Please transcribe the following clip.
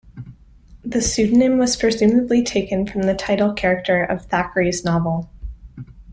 The pseudonym was presumably taken from the title character of Thackeray's novel.